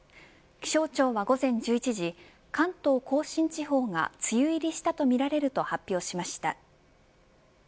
気象庁は午前１１時関東甲信地方が梅雨入りしたとみられると発表しました。